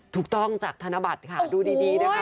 ถูกต้องจากธนบัตรค่ะดูดีนะคะ